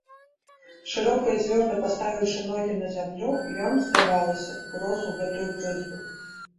Шырока і цвёрда паставіўшы ногі на зямлю, ён, здавалася, урос у гэтую прызбу.